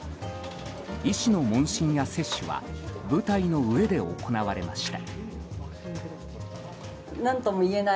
医師の問診や接種は舞台の上で行われました。